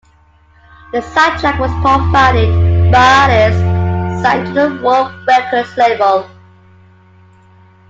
The soundtrack was provided by artists signed to the Warp Records label.